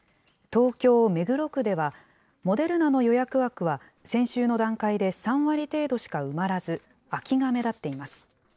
東京・目黒区では、モデルナの予約枠は、先週の段階で３割程度しか埋まらず、空きが目立っています。